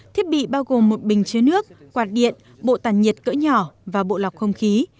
thiết bị bao gồm một bình chứa nước quạt điện bộ tàn nhiệt cỡ nhỏ và bộ lọc không khí